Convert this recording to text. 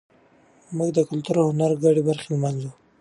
موږ د کلتور او هنر ګډې برخې لمانځو.